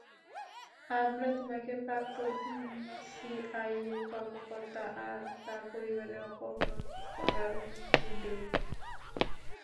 আমরা তোমাকে প্রাক্তন সিআইএ কর্মকর্তা আর তার পরিবারকে অপহরণ করার অনুমতি দেইনি।